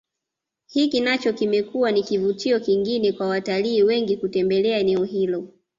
Hiki nacho kimekuwa ni kivutio kingine kwa watalii wengi kutembelea eneo hilo